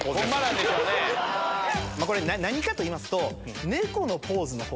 これ何かといいますと。